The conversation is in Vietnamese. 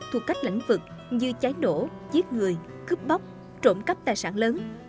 thuộc cách lãnh vực như cháy đổ giết người cướp bóc trộm cắp tài sản lớn